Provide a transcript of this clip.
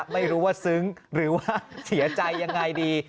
ไม่รู้ว่าซึ้งหรือว่าเสียใจยังไงดี